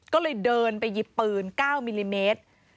ก็เลยเดินไปหยิบปืน๙มิลลิเมตร